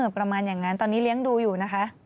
ประมาณอย่างนั้นตอนนี้เลี้ยงดูอยู่นะคะ